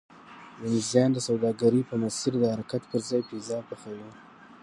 وینزیان د سوداګرۍ په مسیر د حرکت پرځای پیزا پخوي